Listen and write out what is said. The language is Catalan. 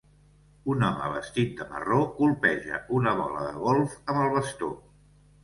Un home vestit de marró colpeja una bola de golf amb el bastó.